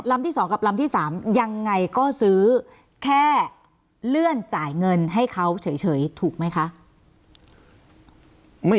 ที่๒กับลำที่๓ยังไงก็ซื้อแค่เลื่อนจ่ายเงินให้เขาเฉยถูกไหมคะ